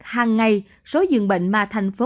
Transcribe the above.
hàng ngày số dường bệnh mà thành phố